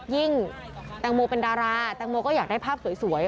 แตงโมเป็นดาราแตงโมก็อยากได้ภาพสวย